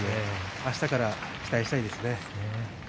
あしたから期待したいですね。